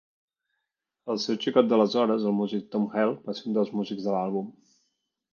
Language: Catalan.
El seu xicot d'aleshores, el músic Thom Hell, va ser un dels músics de l'àlbum.